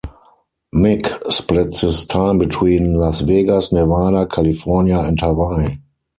Mick splits his time between Las Vegas, Nevada, California, and Hawaii.